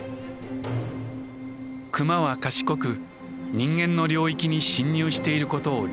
クマは賢く人間の領域に侵入していることを理解しています。